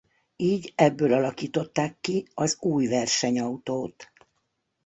Így ebből alakították ki az új versenyautót.